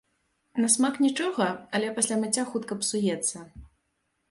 На смак нічога, але пасля мыцця хутка псуецца.